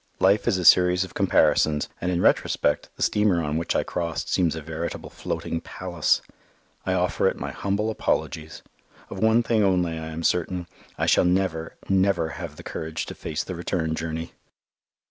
Life is a series of comparisons and in retrospect the steamer on which I crossed seems a veritable floating palace. I offer it my humble apologies. Of one thing only I am certain I shall never, never have the courage to face the return journey.